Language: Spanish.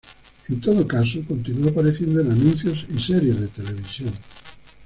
En todo caso continuó apareciendo en anuncios y series de televisión.